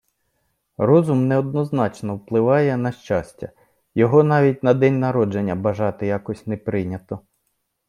Розум неоднозначно впливає на щастя, його навіть на день народження бажати якось не прийнято.